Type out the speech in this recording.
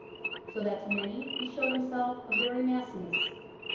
So that to many he showed himself a very Maecenas.